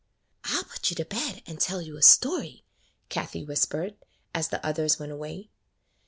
"I 'll put you to bed and tell you a story," Kathie whispered as the others went away.